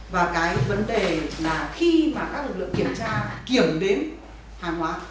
và cái vấn đề là khi mà các lực lượng kiểm tra kiểm đếm hàng hóa